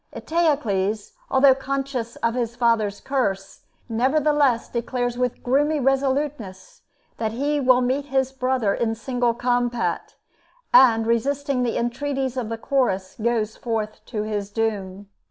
Eteocles, although conscious of his father's curse, nevertheless declares with gloomy resoluteness that he will meet his brother in single combat, and, resisting the entreaties of the Chorus, goes forth to his doom.